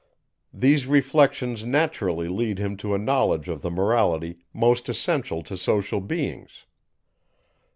These reflections naturally lead him to a knowledge of the Morality most essential to social beings.